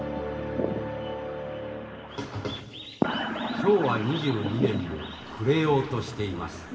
昭和２２年も暮れようとしています。